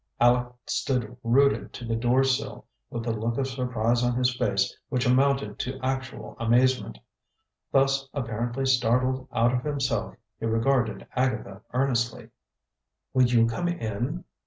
Aleck stood rooted to the door sill, with a look of surprise on his face which amounted to actual amazement. Thus apparently startled out of himself, he regarded Agatha earnestly. "Will you come in?"